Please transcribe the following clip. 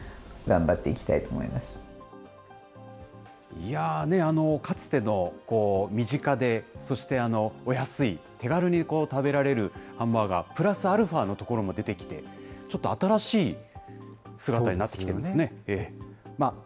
いやー、かつてのこう、身近で、そしてお安い、手軽に食べられるハンバーガープラスアルファのところも出てきて、ちょっと新しい姿になってきていますね。